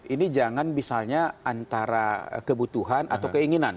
ini jangan misalnya antara kebutuhan atau keinginan